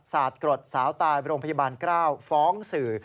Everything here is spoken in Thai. กรดสาวตายโรงพยาบาลกล้าวฟ้องสื่อ